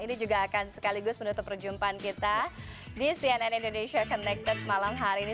ini juga akan sekaligus menutup perjumpaan kita di cnn indonesia connected malam hari ini